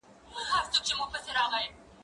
کېدای سي خبري ګڼه وي؟!